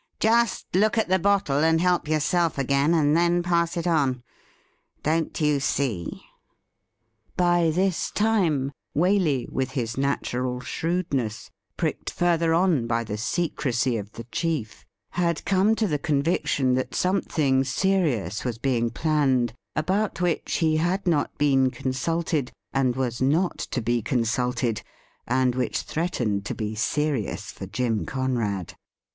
' Just look at the bottle, and help yourself again, and then pass it on. Don't you see i" By this time Waley, with his natural shrewdness, pricked further on by the secrecy of the chief, had come to the conviction that something serious was being planned about which he had not been consulted, and was not to be con sulted, and which threatened to be serious for Jim Conrad.